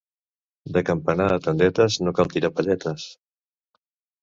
De Campanar a Tendetes no cal tirar palletes.